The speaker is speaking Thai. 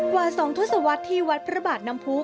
วาสองทุศวัฒน์ที่วัดพระบาทนำภู